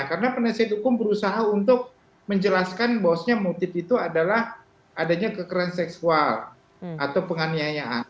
karena penelitian hukum berusaha untuk menjelaskan bahwasannya motif itu adalah adanya kekerasan seksual atau penganiayaan